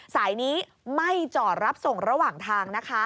สายนี้ไม่จอดรับส่งระหว่างทางนะคะ